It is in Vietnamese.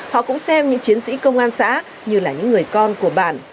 họ cũng xem những chiến sĩ công an xã như là những người con của bản